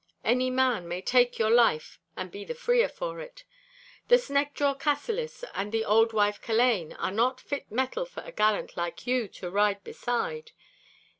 Any man may take your life and be the freer for it. The sneckdraw Cassillis and the old wife Culzean are not fit mettle for a gallant like you to ride beside.